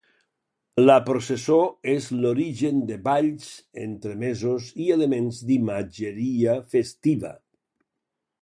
La processó és l'origen de balls, entremesos i elements d'imatgeria festiva.